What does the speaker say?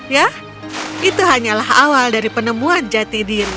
ya itu hanyalah awal dari penemuan jati diri